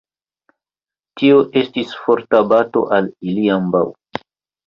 Tio estis forta bato al ili ambaŭ.